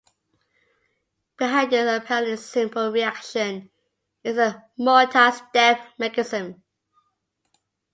Behind this apparently simple reaction is a multistep mechanism.